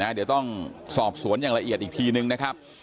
เดี๋ยวต้องสอบสวนอย่างละเอียดอีกทีนึงนะครับ